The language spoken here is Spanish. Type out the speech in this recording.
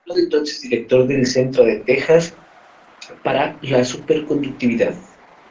Fue nombrado entonces director del Centro de Texas para la Superconductividad.